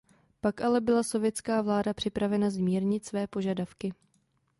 Pak ale byla sovětská vláda připravena zmírnit své požadavky.